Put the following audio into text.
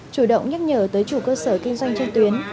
chủ động nhắc nhở tới chủ cơ sở kinh doanh trên tuyến